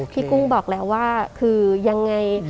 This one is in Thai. กุ้งบอกแล้วว่าคือยังไง